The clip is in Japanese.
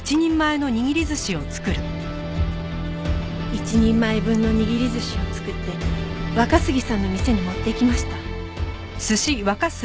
一人前分の握り寿司を作って若杉さんの店に持っていきました。